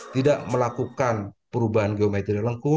tidak melakukan perubahan geografi